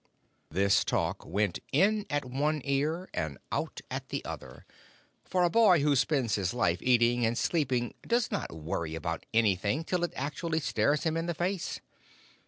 This talk went in at one ear and out at the other, for a boy who spends his life eating and sleeping does not worry about anything till it actually stares him in the face.